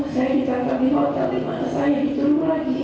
saya ditangkap di hotel di mana saya ditunggu lagi